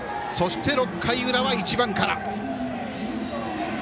そして、６回裏は１番から。